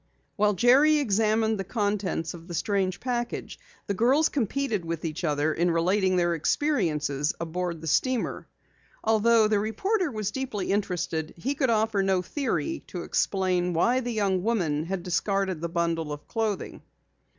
While Jerry examined the contents of the strange package, the girls competed with each other in relating their experiences aboard the steamer. Although the reporter was deeply interested, he could offer no theory to explain why the young woman had discarded the bundle of clothing.